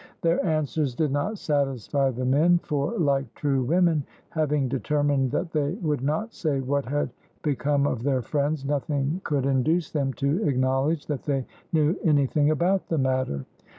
Their answers did not satisfy the men, for, like true women, having determined that they would not say what had become of their friends, nothing could induce them to acknowledge that they knew anything about the matter.